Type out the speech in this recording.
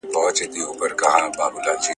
افغان سوداګر د ډیموکراتیکي رایې ورکولو حق نه لري.